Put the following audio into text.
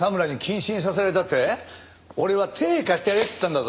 俺は手ぇ貸してやれっつったんだぞ。